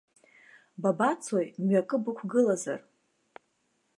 Бабацои, мҩакы бықәгылазар?